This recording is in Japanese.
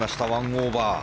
１オーバー。